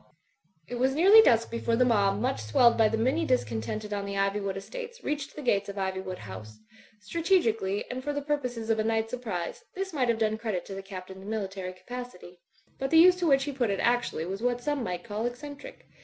It was nearly dusk before the mob, much swelled by the many discontented on the Iv)rwood estates, reached the gates of Ivywood House. Strategically, and for the purposes of a night surprise, this might have done credit to the Captain's military capacity. But the use to which he put it actually was what some might call eccentric.